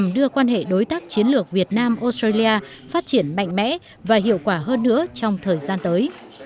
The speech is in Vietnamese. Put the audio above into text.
đưa quan hệ đối tác chiến lược việt nam australia phát triển mạnh mẽ và hiệu quả hơn nữa trong thời gian tới